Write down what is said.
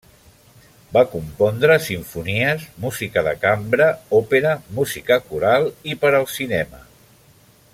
Va compondre simfonies, música de cambra, òpera, música coral i per al cinema.